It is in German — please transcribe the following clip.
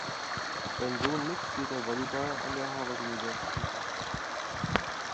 Sein Sohn Nick spielte Volleyball an der Harvard University.